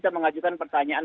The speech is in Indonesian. terima kasih pak ketrean